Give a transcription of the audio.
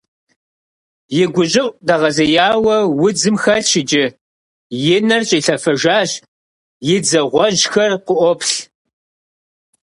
И гущӀыӀу дэгъэзеяуэ удзым хэлъщ иджы, и нэр щӀилъэфэжащ, и дзэ гъуэжьхэр къыӀуоплъ.